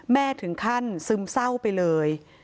ถึงขั้นซึมเศร้าไปเลย